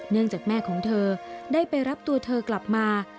เนื่องจากแม่ของเธอได้ไปรับตัวเธอกลับมา